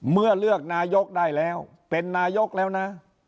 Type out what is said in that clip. เมื่อเลือกนายกได้แล้วเป็นนายกแล้วนะ